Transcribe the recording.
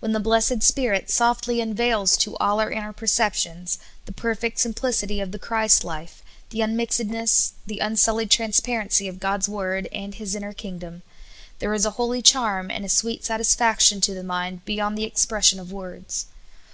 When the blessed Spirit softly unveils to all our inner perceptions the perfect simplicity of the Christ life, the unmixed ness, the unsullied transparency of God's Word and His inner kingdom, there is a hol}^ charm and a sweet satisfaction to the mind be3'ond the expression of words.